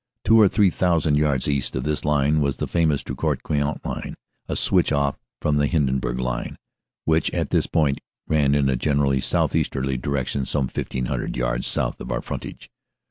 Two or three thousand yards east of this line was the famous Drocourt Queant line, a switch off the Hindenburg line, which at this point ran in a generally southeasterly direc tion some 1,500 yards south of our frontage.